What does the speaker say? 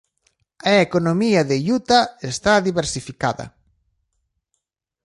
A economía de Utah está diversificada.